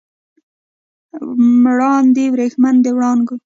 مراندې وریښم د وړانګو